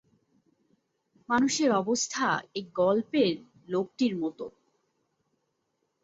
মানুষের অবস্থা এই গল্পের লোকটির মত।